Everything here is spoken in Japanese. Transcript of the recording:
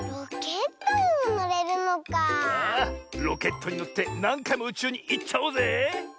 ロケットにのってなんかいもうちゅうにいっちゃおうぜ！